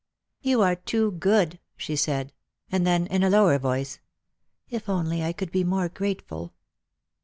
" You are too good," she said ; and then in a lower voice, " If I could only be more grateful